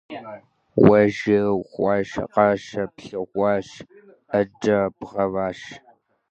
Уэ жьы ухъуащ, гъащӀэ плъэгъуащ, Ӏэджэ бгъэващ…